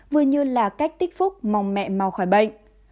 vừa như là cách tích phúc mong mẹ mau khỏi bệnh